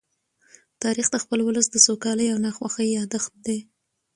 تاریخ د خپل ولس د سوکالۍ او ناخوښۍ يادښت دی.